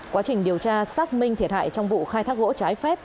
quá trình điều tra xác minh thiệt hại trong vụ khai thác gỗ trái phép